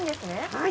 はい。